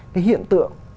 cái hiện tượng